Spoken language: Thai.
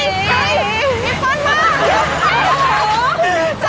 พี่เปิ้ลมา